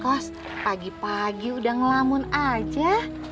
pas pagi pagi udah ngelamun aja